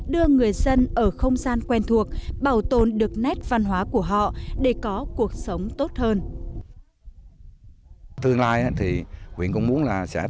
đưa người dân ở không gian quen thuộc bảo tồn được nét văn hóa của họ để có cuộc sống tốt hơn